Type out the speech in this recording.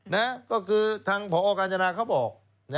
นะก็คือเเดี๋ยวพองการจนาเขาบอก